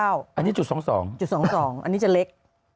อันนี้จุด๒๒อันนี้จะเล็ก